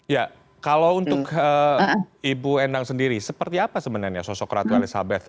ya kalau untuk ibu endang sendiri seperti apa sebenarnya sosok ratu elizabeth